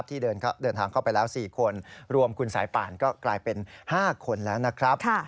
ที่เดินทางเข้าไปแล้ว๔คนรวมคุณสายป่านก็กลายเป็น๕คนแล้วนะครับ